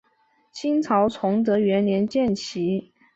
清朝崇德元年建旗。